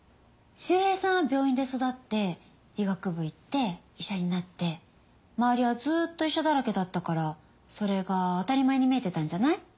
修平さんは病院で育って医学部行って医者になって周りはずっと医者だらけだったからそれが当たり前に見えてたんじゃない？